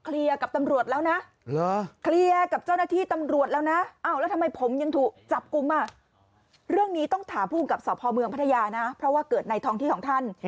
แล้วเนี่ยเปิดบ่อนพาคาร่า